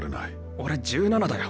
俺１７だよ。